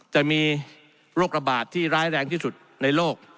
จะมีโรคระบาดที่ร้ายแรงที่สุดในโลก